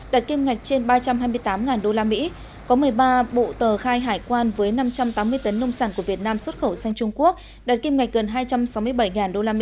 đạt kim ngạch trên ba trăm hai mươi tám usd có một mươi ba bộ tờ khai hải quan với năm trăm tám mươi tấn nông sản của việt nam xuất khẩu sang trung quốc đạt kim ngạch gần hai trăm sáu mươi bảy usd